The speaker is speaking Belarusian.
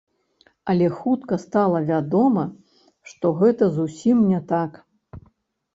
Але хутка стала вядома, што гэта зусім не так.